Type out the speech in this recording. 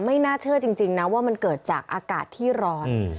ไม่น่าเชื่อจริงนะว่ามันเกิดจากอากาศที่ร้อน